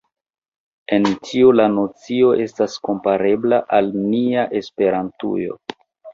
En tio la nocio estas komparebla al nia Esperantujo.